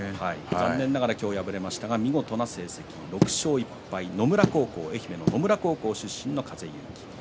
残念ながら今日敗れましたが、見事な成績６勝１敗、愛媛の野村高校出身の風佑城です。